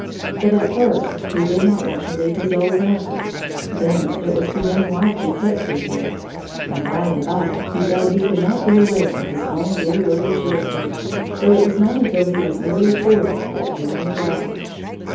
But at first he did not want to leave his old mother; then it was the young wife who kept him here; and by and by he felt he could not be away from his own dear little children, so it was not until he was nearly forty that he went abroad.